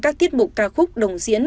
các tiết mục ca khúc đồng diễn